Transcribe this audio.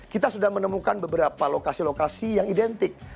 kita sudah menemukan beberapa lokasi lokasi yang identik